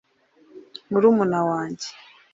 murumuna wajye.